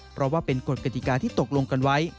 เพราะว่าเป็นกฎกติกาที่ตกลงกันไว้